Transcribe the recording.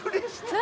何？